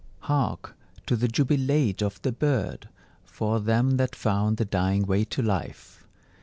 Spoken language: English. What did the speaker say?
Hark to the Jubilate of the bird For them that found the dying way to life!